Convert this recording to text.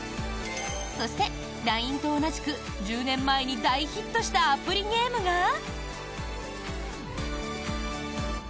そして、ＬＩＮＥと同じく１０年前に大ヒットしたアプリゲームが。